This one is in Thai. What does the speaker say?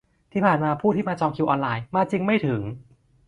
ที่ผ่านมาผู้ที่มาจองคิวออนไลน์มาจริงไม่ถึง